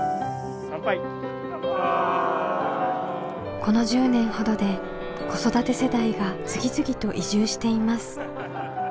この１０年ほどで子育て世代が次々と移住しています。